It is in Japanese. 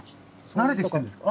慣れてきてるんですか？